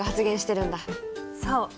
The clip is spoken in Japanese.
そう。